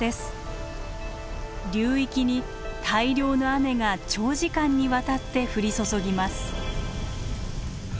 流域に大量の雨が長時間にわたって降り注ぎます。